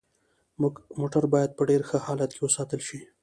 موټر باید په ډیر ښه حالت کې وساتل شي